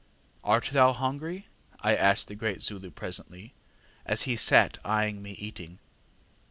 ŌĆ£ŌĆśArt thou not hungry? ŌĆÖ I asked the great Zulu presently, as he sat eyeing me eating.